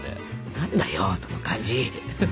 何だよその感じ！